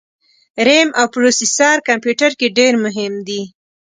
رېم او پروسیسر کمپیوټر کي ډېر مهم دي